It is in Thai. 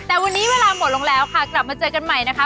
แต่วันนี้เวลาหมดลงแล้วค่ะกลับมาเจอกันใหม่นะคะ